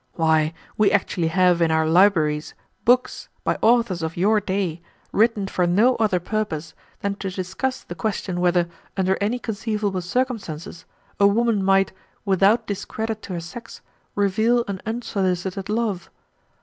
Why, we actually have in our libraries books, by authors of your day, written for no other purpose than to discuss the question whether, under any conceivable circumstances, a woman might, without discredit to her sex, reveal an unsolicited love.